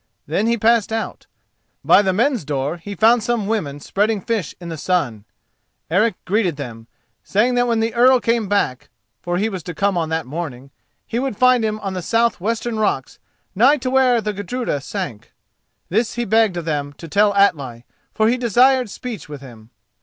Then he passed out. By the men's door he found some women spreading fish in the sun. Eric greeted them, saying that when the Earl came back, for he was to come on that morning, he would find him on the south western rocks nigh to where the Gudruda sank. This he begged of them to tell Atli, for he desired speech with him.